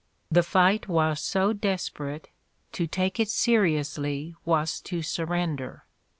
The fight was so desperate, to take it seriously was to surrender.